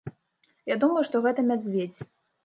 Я думаю, што гэта мядзведзь.